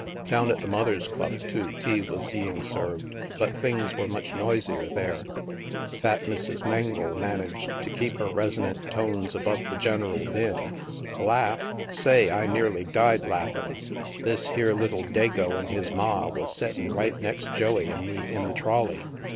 Down at the Mothers' Club, too, tea was being served, but things were much noisier there. Fat Mrs. Mengle managed to keep her resonant tones above the general din. "Laff? Say, I nearly died laffin'. This here little Dago an' his ma was settin' right next Joey an' me in the trolley.